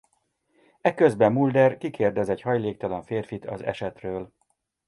Eközben Mulder kikérdez egy hajléktalan férfit az esetről.